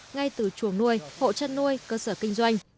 ngay từ chuồng nuôi hộ chăn nuôi cơ sở kinh doanh